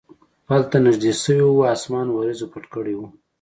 پل ته نږدې شوي و، اسمان وریځو پټ کړی و.